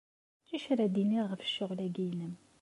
D acu ara d-iniɣ ɣef ccɣel-agi-inem?